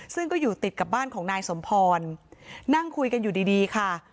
ซึ่งก็อยู่ติดกับบ้านของนายสมพรนั่งคุยกันอยู่ดีดีค่ะ